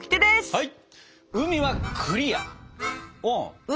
はい。